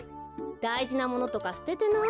だいじなものとかすててない？